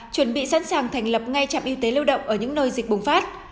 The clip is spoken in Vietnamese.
chuẩn bị sẵn sàng thành lập ngay trạm y tế lưu động ở những nơi dịch bùng phát